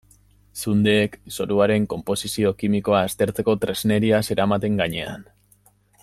Zundek zoruaren konposizio kimikoa aztertzeko tresneria zeramaten gainean.